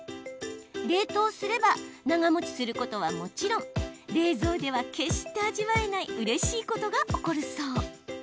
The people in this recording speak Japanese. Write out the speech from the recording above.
冷凍すれば長もちすることはもちろん冷蔵では決して味わえないうれしいことが起こるそう。